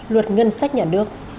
luật ngân sách nhà nước